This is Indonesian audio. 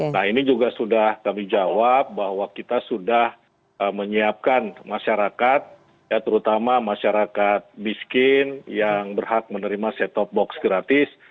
nah ini juga sudah kami jawab bahwa kita sudah menyiapkan masyarakat ya terutama masyarakat miskin yang berhak menerima set top box gratis